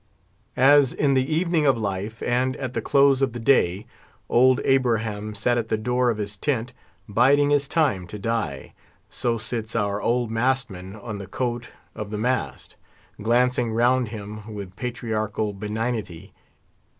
As in the evening of life, and at the close of the day, old Abraham sat at the door of his tent, biding his time to die, so sits our old mast man on the coat of the mast, glancing round him with patriarchal benignity.